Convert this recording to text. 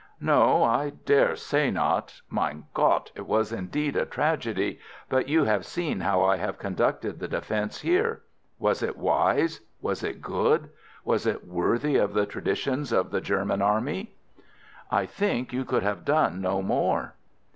"No, I dare say not. Mein Gott! it was indeed a tragedy. But you have seen how I have conducted the defence here. Was it wise? Was it good? Was it worthy of the traditions of the German army?" "I think you could have done no more."